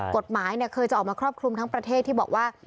กฎหมายเคยจะออกมาครอบคลุมทั้งประเทศที่บอกว่า